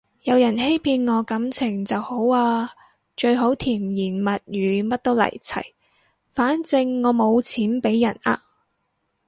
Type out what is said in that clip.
有人欺騙我感情就好啊，最好甜言蜜語乜都嚟齊，反正我冇錢畀人呃